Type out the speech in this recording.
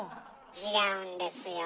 違うんですよ。